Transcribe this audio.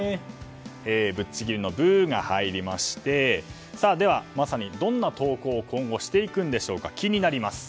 ぶっちぎりの「ブ」が入りましてまさに、どんな投稿を今後していくんでしょうか気になります。